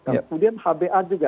kemudian hba juga